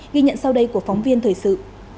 ghi nhận sau đây của phóng viên thời sự